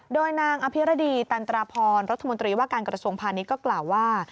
โดยนางอภิรดีตันตราพรรัฐมนตรีว่าการกระทรวงพาณิชย์ก็กล่าวว่า